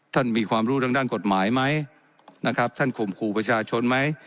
ท่านมีความรู้ทางด้านกฎหมายไหมนะครับท่านข่มขู่ประชาชนไหม